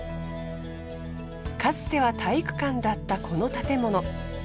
かつては体育館だったこの建物。